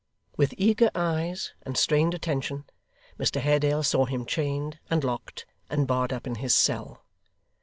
With eager eyes and strained attention, Mr Haredale saw him chained, and locked and barred up in his cell.